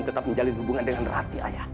segan membunuh kamu dan rati